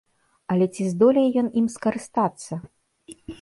Але ці здолее ён ім скарыстацца?